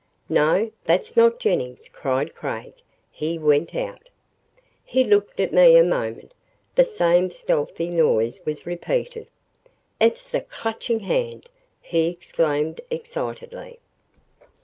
"No that's not Jennings," cried Craig. "He went out." He looked at me a moment. The same stealthy noise was repeated. "It's the Clutching Hand!" he exclaimed excitedly.